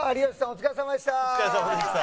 お疲れさまでした！